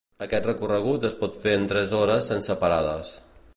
Aquest recorregut es pot fer en tres hores sense parades.